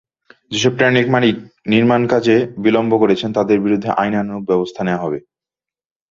যেসব ট্যানারির মালিক নির্মাণকাজে বিলম্ব করছেন, তাঁদের বিরুদ্ধে আইনানুগ ব্যবস্থা নেওয়া হবে।